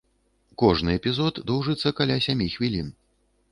Кожны эпізод доўжыцца каля сямі хвілін.